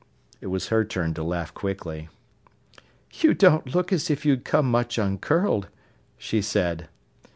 It was her turn to laugh quickly. "You don't look as if you'd come much uncurled," she said.